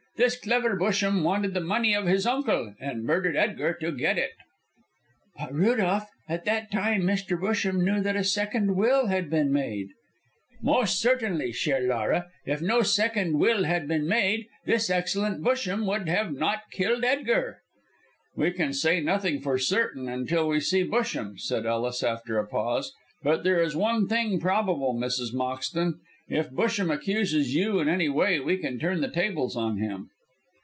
This clever Busham wanted the money of his uncle, and murdered Edgar to get it." "But, Rudolph, at that time Mr. Busham knew that a second will had been made." "Most certainly, chère Laura. If no second will had been made, this excellent Busham would not have killed Edgar." "We can say nothing for certain until we see Busham," said Ellis, after a pause, "but there is one thing probable, Mrs. Moxton. If Busham accuses you in any way we can turn the tables on him."